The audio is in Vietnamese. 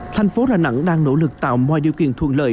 thành phố đà nẵng đang nỗ lực tạo mọi điều kiện thuận lợi